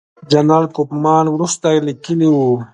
جنرال کوفمان وروسته لیکلي وو.